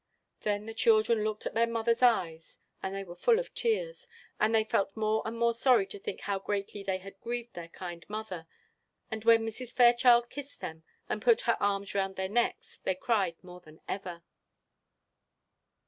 Then the children looked at their mother's eyes, and they were full of tears; and they felt more and more sorry to think how greatly they had grieved their kind mother; and when Mrs. Fairchild kissed them, and put her arms round their necks, they cried more than ever.